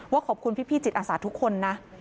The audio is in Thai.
ขอบคุณพี่จิตอาสาทุกคนนะ